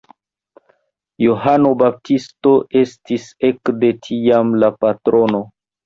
Johano Baptisto estis ekde tiam la patrono.